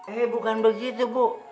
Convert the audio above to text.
eh bukan begitu bu